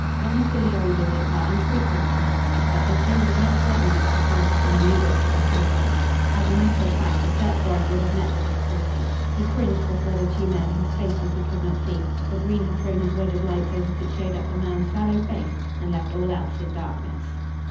Domiciliary visits are unfrequent in England, but the Jew was not certain enough to stand upon a legal technicality. As a matter of fact, the search warrant would have met the difficulty. He cringed before the two men, whose faces he could not see, for Green had thrown his wedge of light so that it showed up the man's sallow face and left all else in darkness.